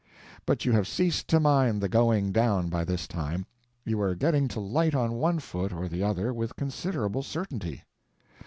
But you have ceased to mind the going down by this time; you are getting to light on one foot or the other with considerable certainty.